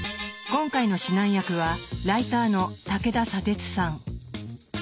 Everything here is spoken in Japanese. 今回の指南役はライターの武田砂鉄さん。